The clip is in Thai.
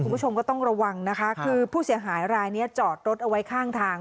คุณผู้ชมก็ต้องระวังนะคะคือผู้เสียหายรายนี้จอดรถเอาไว้ข้างทาง